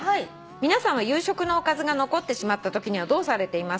「皆さんは夕食のおかずが残ってしまったときにはどうされていますか？」